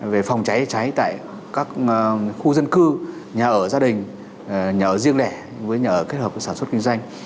về phòng cháy cháy tại các khu dân cư nhà ở gia đình nhà ở riêng lẻ với nhà ở kết hợp với sản xuất kinh doanh